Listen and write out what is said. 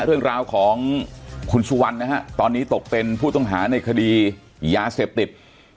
เรื่องราวของคุณสุวรรณนะฮะตอนนี้ตกเป็นผู้ต้องหาในคดียาเสพติด